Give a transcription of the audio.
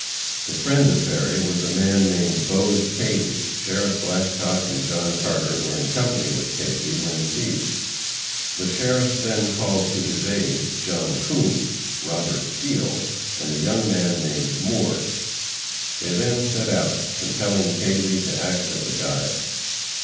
The friend of Berry was a man named Bose Kazy. Sheriff Glascock and John Carter were in company when Kazy was seized. The sheriff then called to his aid John Coons, Robert Steele, and a young man named Moore. They then set out, compelling Kazy to act as a guide.